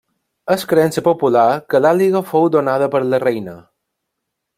És creença popular que l'àliga fou donada par la reina.